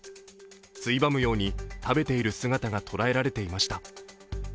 ついばむように食べている姿が捉えられていました。